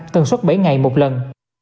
tần suất bảy ngày một lần